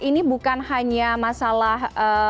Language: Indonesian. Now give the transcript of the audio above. ini bukan hanya masalah